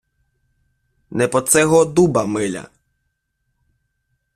Не по цего дуба миля.